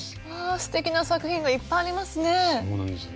すてきな作品がいっぱいありますね。